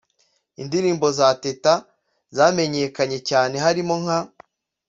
Indirimbo za Teta zamenyekanye cyane harimo nka